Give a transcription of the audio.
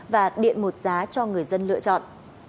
và điện một giá cho người dân lựa chọn